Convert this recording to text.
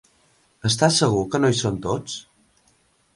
Estàs segur que no hi són tots?